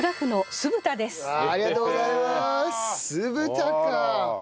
酢豚か！